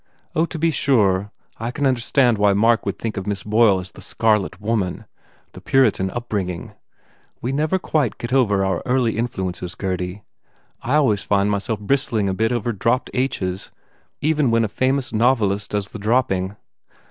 Oh, to be sure, I can understand why Mark would think of Miss Boyle as the Scar let Woman. The Puritan upbringing. We never quite get over early influences, Gurdy. I always find myself bristling a bit over dropped H s even when a famous novelist does the drop ping.